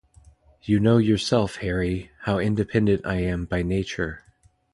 You know yourself, Harry, how independent I am by nature.